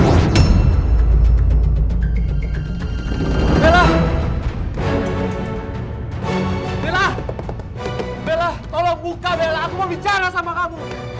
bella bella bella bella tolong buka aku bicara sama kamu